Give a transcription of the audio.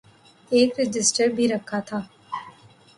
ایک رجسٹر بھی رکھا تھا۔